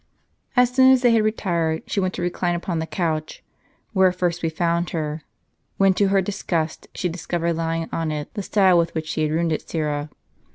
As soon as they had retired, she went to recline upon the couch where first we found her ; wdien, to her disgust, she discovered lying on it the style with which she had wounded Syra.